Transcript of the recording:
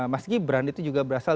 mas gibran itu juga berasal